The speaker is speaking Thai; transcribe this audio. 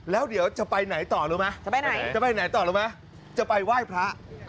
แล้วเดี๋ยวจะไปไหนต่อล่ะไหมจะไปไหนต่อล่ะไหมจะไปไหว้พระ